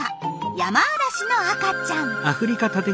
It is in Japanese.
ヤマアラシの赤ちゃん。